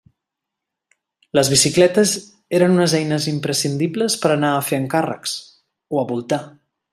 Les bicicletes eren unes eines imprescindibles per a anar a fer encàrrecs o a voltar.